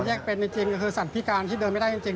แยกเป็นจริงก็คือสัตว์พิการที่เดินไม่ได้จริง